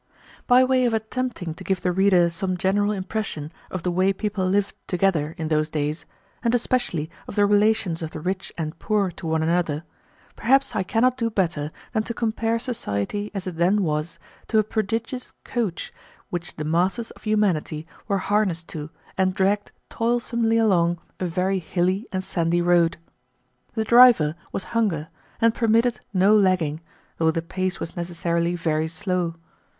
By way of attempting to give the reader some general impression of the way people lived together in those days, and especially of the relations of the rich and poor to one another, perhaps I cannot do better than to compare society as it then was to a prodigious coach which the masses of humanity were harnessed to and dragged toilsomely along a very hilly and sandy road. The driver was hunger, and permitted no lagging, though the pace was necessarily very slow.